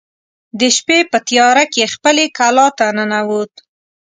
د شپې په تیاره کې خپلې کلا ته ننوت.